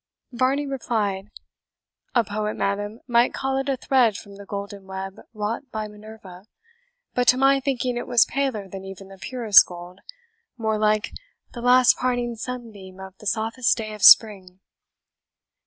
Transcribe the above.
Varney replied, "A poet, madam, might call it a thread from the golden web wrought by Minerva; but to my thinking it was paler than even the purest gold more like the last parting sunbeam of the softest day of spring."